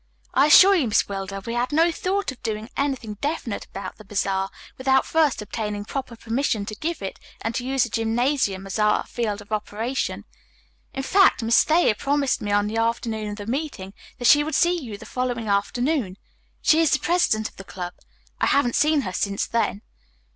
I assure you, Miss Wilder, we had no thought of doing anything definite about the bazaar without first obtaining proper permission to give it and to use the gymnasium as our field of operation. In fact, Miss Thayer promised me on the afternoon of the meeting that she would see you the following afternoon. She is the president of the club. I haven't seen her since then."